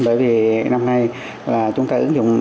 bởi vì năm nay là chúng ta ứng dụng